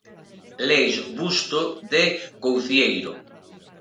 Leis Busto, de Coucieiro.